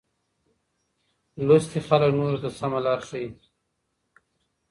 لوستي خلګ نورو ته سمه لار ښيي.